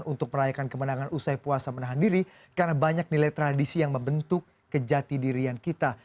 untuk merayakan kemenangan usai puasa menahan diri karena banyak nilai tradisi yang membentuk kejati dirian kita